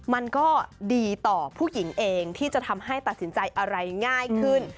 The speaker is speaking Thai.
มันก็ดีต่อผู้หญิงเองที่จะทำให้ตัดสินใจอะไรง่ายขึ้น